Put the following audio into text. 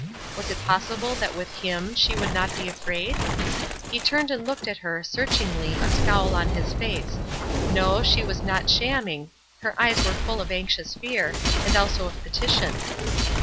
Was it possible that with him she would not be afraid? He turned and looked at her, searchingly, a scowl on his face, no, she was not "shamming;" her eyes were full of anxious fear, and also of petition.